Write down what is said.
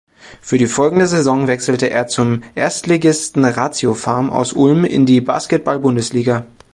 Für die folgende Saison wechselte er zum Erstligisten ratiopharm aus Ulm in die Basketball-Bundesliga.